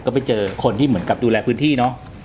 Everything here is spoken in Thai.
ก็ไปเจอคนที่เหมือนกับดูแลพื้นที่เนอะ